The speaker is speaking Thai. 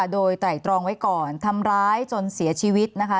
โดยไตรตรองไว้ก่อนทำร้ายจนเสียชีวิตนะคะ